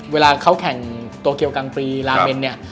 เวลาเขาแข่งโตเกียวกลางปีลาเมนเนี่ย